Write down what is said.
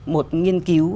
một nghiên cứu